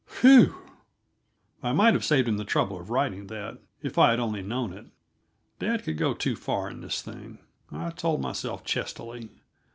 Whew! I might have saved him the trouble of writing that, if I had only known it. Dad could go too far in this thing, I told myself chestily.